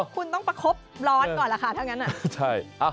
คุณต้องประคบร้อนก่อนล่ะค่ะถ้างั้น